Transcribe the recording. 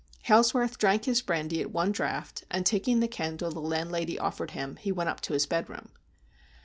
Hailsworth drank his brandy at one draught, and, taking the candle the landlady offered him, he went up to his bed room.